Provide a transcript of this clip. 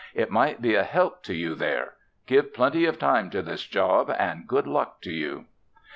It might be a help to you there. Give plenty of time to this job, and good luck to you."